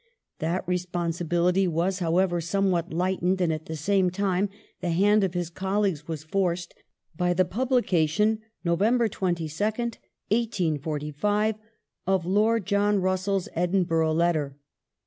That responsibility was, however, somewhat lightened, and at the same time the hand of his colleagues was forced, by the publication (Nov. 22nd, 1845) of Lord John Russell's "Edinburgh Letter".